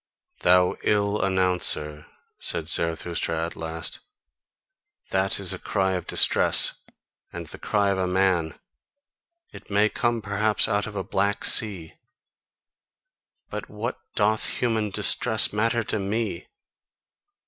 "Thou ill announcer," said Zarathustra at last, "that is a cry of distress, and the cry of a man; it may come perhaps out of a black sea. But what doth human distress matter to me!